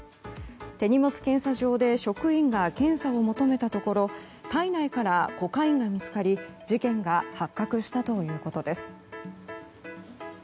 手荷物検査場で職員が検査を求めたところ体内からコカインが見つかり事件が発覚したということです。